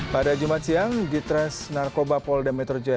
pada jumat siang di tras narkoba paul demetrojoe